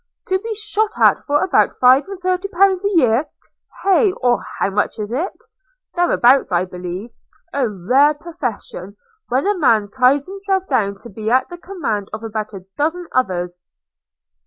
– To be shot at for about five and thirty pounds a year! Hey? Or how much is it? Thereabouts, I believe. – A rare profession, when a man ties himself down to be at the command of about a dozen others!'